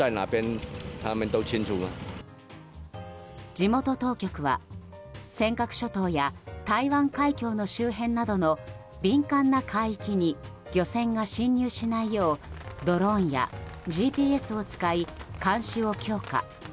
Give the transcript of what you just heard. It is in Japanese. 地元当局は尖閣諸島や台湾海峡の周辺などの敏感な海域に漁船が侵入しないようドローンやＧＰＳを使い監視を強化。